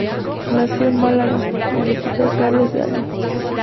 Nació en Málaga, en el hospital Carlos de Haya.